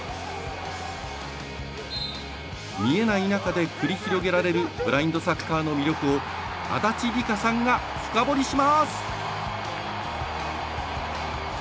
見えない中で繰り広げられるブラインドサッカーの魅力を足立梨花さんが深掘りします。